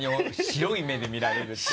白い目で見られる。